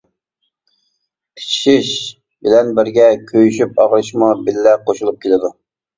قىچىشىش بىلەن بىرگە كۆيۈشۈپ ئاغرىشمۇ بىللە قوشۇلۇپ كېلىدۇ.